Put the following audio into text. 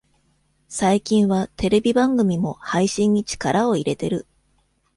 最近はテレビ番組も配信に力を入れてる